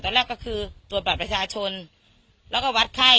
แรกก็คือตรวจบัตรประชาชนแล้วก็วัดไข้